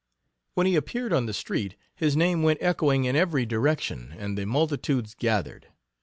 When he appeared on the street his name went echoing in every direction and the multitudes gathered.